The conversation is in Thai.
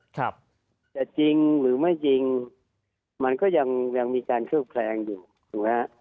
แต่จริงหรือไม่จริงมันก็ยังมีการเคลือบแปลงอยู่